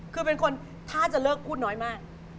คือเป็นคนถ้าจะเลิกพูดน้อยมาก